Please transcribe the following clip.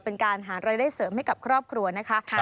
เป็นการหารายได้เสริมให้กับครอบครัวนะคะ